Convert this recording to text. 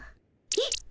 えっ？